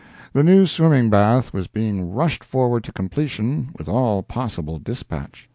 The new swimming bath was being rushed forward to completion with all possible dispatch.